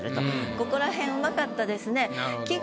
ここらへんうまかったですね。